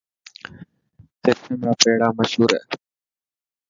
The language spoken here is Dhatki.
ڪرشن را پيڙا مشهور هي.